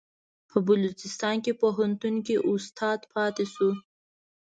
په بلوچستان پوهنتون کې استاد پاتې شو.